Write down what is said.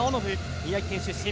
宮城県出身。